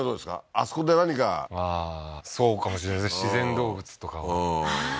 あそこで何かああーそうかもしれない自然動物とかをああー